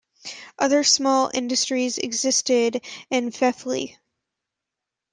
Other small industries existed in Faifley.